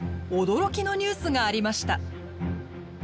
驚きのニュースがありました。